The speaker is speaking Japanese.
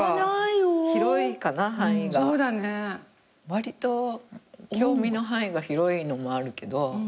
わりと興味の範囲が広いのもあるけど。